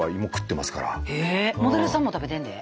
モデルさんも食べてんで。